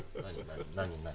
何何？